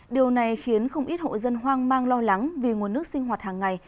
điều này khiến không ít hộ dân hoang mang lo lắng vì nguồn nước sinh hoạt hàng ngày